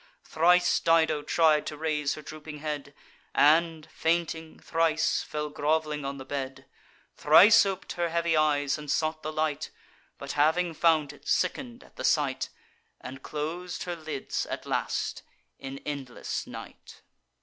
Thrice Dido tried to raise her drooping head, And, fainting thrice, fell grov'ling on the bed; Thrice op'd her heavy eyes, and sought the light, But, having found it, sicken'd at the sight, And clos'd her lids at last in endless night.